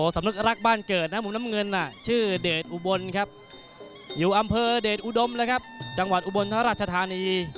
สำนึกรักบ้านเกิดนะมุมน้ำเงินชื่อเดชอุบลครับอยู่อำเภอเดชอุดมเลยครับจังหวัดอุบลราชธานี